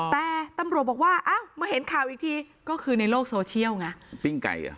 แต่ตำรวจบอกว่าเมื่อเห็นข่าวอีกทีก็คือในโลกโซเชียล